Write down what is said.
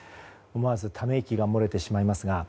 思わずため息が漏れてしまいますが。